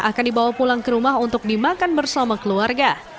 akan dibawa pulang ke rumah untuk dimakan bersama keluarga